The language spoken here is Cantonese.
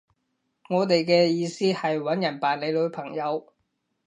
我哋嘅意思係搵人扮你女朋友